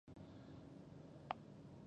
د بازارونو د ودي لپاره ځوانان هڅې کوي.